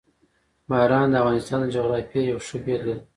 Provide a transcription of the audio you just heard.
باران د افغانستان د جغرافیې یوه ښه بېلګه ده.